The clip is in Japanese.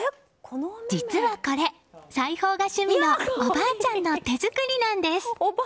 実はこれ裁縫が趣味のおばあちゃんの手作りなんです。